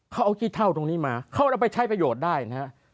เขาเอาขี้เท่าตรงนี้มาเขาเอาไปใช้ประโยชน์ได้นะฮะ